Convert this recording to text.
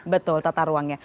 betul tata ruangnya